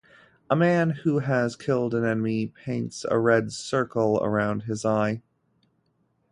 A man who has killed an enemy paints a red circle around his eye.